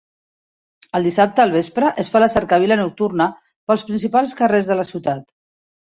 El dissabte al vespre es fa la cercavila nocturna pels principals carrers de la ciutat.